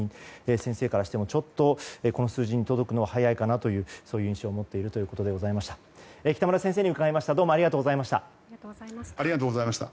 先生からしてもちょっとこの数字に届くのは早いかなという印象を持っているということでございました。